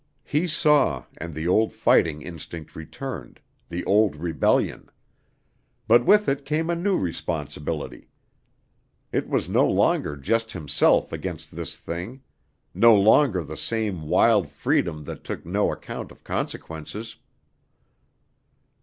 He saw and the old fighting instinct returned the old rebellion. But with it came a new responsibility. It was no longer just himself against this thing no longer the same wild freedom that took no account of consequences.